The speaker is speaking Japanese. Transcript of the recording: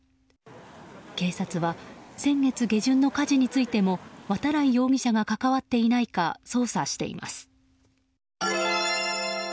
警察は先月下旬の火事についても渡来容疑者が関わっていないか捜査しています。